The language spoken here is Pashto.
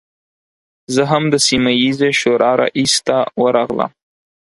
زه هم د سیمه ییزې شورا رئیس ته ورغلم.